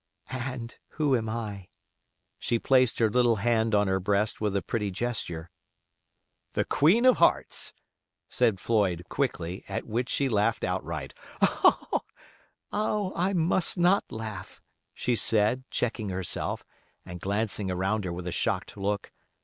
"And who am I?" She placed her little hand on her breast with a pretty gesture. "The Queen of Hearts," said Floyd, quickly, at which she laughed outright. "Oh! I must not laugh," she said, checking herself and glancing around her with a shocked look.